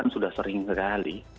sudah sering sekali